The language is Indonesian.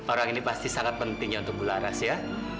orang ini pasti sangat pentingnya untuk bularas ya